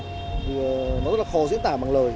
thì nó rất là khó diễn tả bằng lời